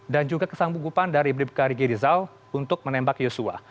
dan juga kesanggupan dari bribka riki rizal untuk menembak yosua